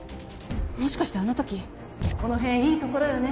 もしかしてあの時この辺いいところよね